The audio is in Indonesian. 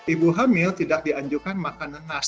ibu hamil tidak dianjurkan makan nanas